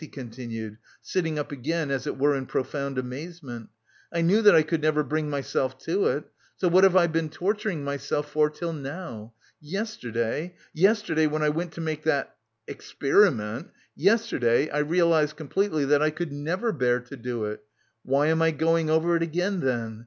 he continued, sitting up again, as it were in profound amazement. "I knew that I could never bring myself to it, so what have I been torturing myself for till now? Yesterday, yesterday, when I went to make that... experiment, yesterday I realised completely that I could never bear to do it.... Why am I going over it again, then?